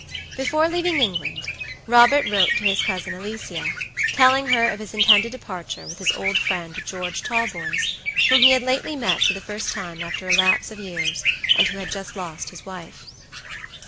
Before leaving England, Robert wrote to his cousin Alicia, telling her of his intended departure with his old friend George Talboys, whom he had lately met for the first time after a lapse of years, and who had just lost his wife.